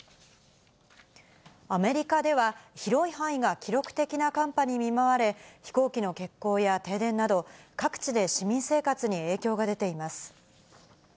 アメリカでは広い範囲が記録的な寒波に見舞われ、飛行機の欠航や停電など、各地で市民生活に影響が出ています。